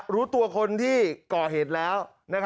รู้ตัวคนที่ก่อเหตุแล้ว